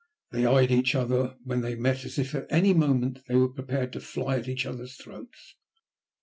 They eyed each other when they met as if, at any moment, they were prepared to fly at each other's throats.